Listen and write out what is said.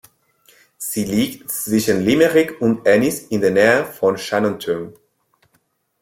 Sie liegt zwischen Limerick und Ennis in der Nähe von Shannon Town.